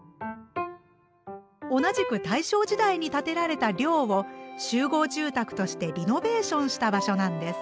同じく大正時代に建てられた寮を集合住宅としてリノベーションした場所なんです。